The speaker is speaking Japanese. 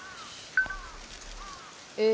え